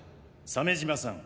鮫島さん